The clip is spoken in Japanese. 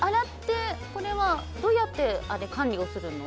どうやって管理をするの？